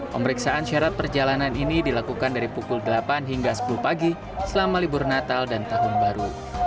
pemeriksaan syarat perjalanan ini dilakukan dari pukul delapan hingga sepuluh pagi selama libur natal dan tahun baru